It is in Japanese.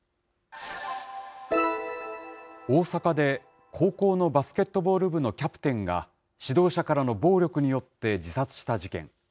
大阪で、高校のバスケットボール部のキャプテンが、指導者からの暴力によって自殺した事件。